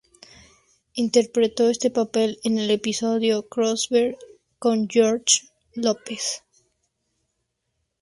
Interpretó este papel en un episodio crossover con "George Lopez".